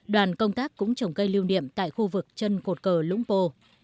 đoàn công tác cũng trồng cây lưu niệm tại khu vực chân cột cờ lũng pô